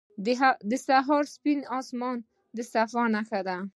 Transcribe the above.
• د سهار سپین آسمان د صفا نښه ده.